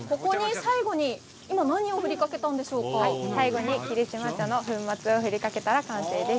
最後に霧島茶の粉末を振りかけたら完成です。